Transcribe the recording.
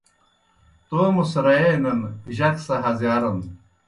تومہ سہ رئینَن، جک سہ ہزِیارَن